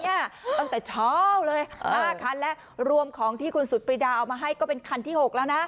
ตั้งแต่เช้าเลย๕คันและรวมของที่คุณสุดปรีดาเอามาให้ก็เป็นคันที่๖แล้วนะ